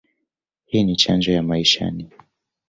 Hii ni chanjo ya maishani.